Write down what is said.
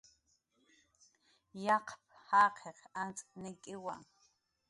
"Yaqp"" jaqiq antz nik'iwa"